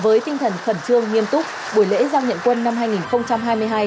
với tinh thần khẩn trương nghiêm túc buổi lễ giao nhận quân năm hai nghìn một mươi chín